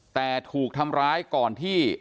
แต่ถูกทำร้ายก่อนที่